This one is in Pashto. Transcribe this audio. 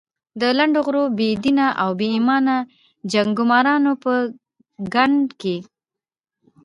د لنډه غرو، بې دینه او بې ایمانه جنګمارانو په ګند کې.